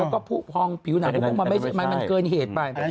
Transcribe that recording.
แล้วก็ผิวหนักมันเกินเหตุไป